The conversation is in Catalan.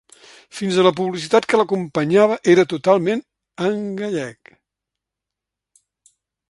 Fins a la publicitat que l'acompanyava era totalment en gallec.